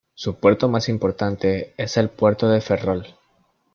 Su puerto más importante es el Puerto de Ferrol.